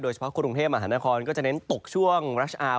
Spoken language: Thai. เฉพาะกรุงเทพมหานครก็จะเน้นตกช่วงรัชอาร์